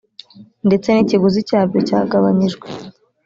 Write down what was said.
ndetse n ikiguzi cyabyo cyagabanyijwe